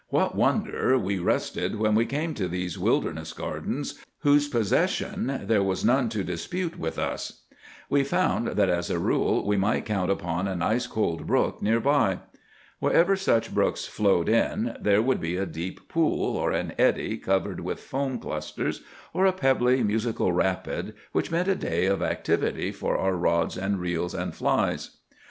What wonder we rested when we came to these wilderness gardens whose possession there was none to dispute with us! We found that as a rule we might count upon an ice cold brook near by. Wherever such brooks flowed in, there would be a deep pool, or an eddy covered with foam clusters, or a pebbly, musical rapid, which meant a day of activity for our rods and reels and flies.